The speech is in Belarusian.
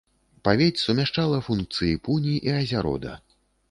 Павець сумяшчала функцыі пуні і азярода.